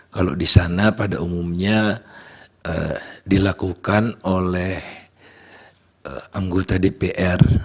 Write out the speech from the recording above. kalau di sana pada umumnya dilakukan oleh anggota dpr